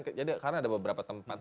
karena ada beberapa tempat